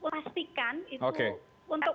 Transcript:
pastikan itu untuk